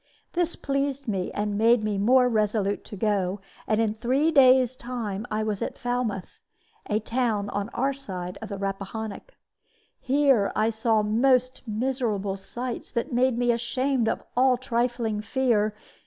This pleased me, and made me more resolute to go; and in three days' time I was at Falmouth, a town on our side of the Rappahannock. Here I saw most miserable sights that made me ashamed of all trifling fear.